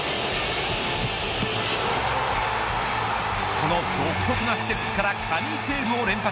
この独特なステップから神セーブを連発。